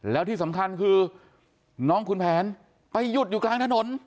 แล้วที่สำคัญคือน้องคุณแผนไปหยุดอยู่กลางถนน